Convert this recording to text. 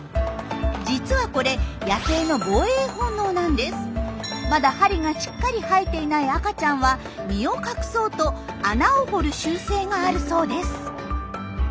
実はこれまだ針がしっかり生えていない赤ちゃんは身を隠そうと穴を掘る習性があるそうです。